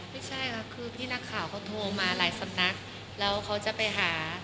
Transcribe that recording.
พี่นักขาวเขาโทรมาหลายสำนักแล้วเขาจะไปหา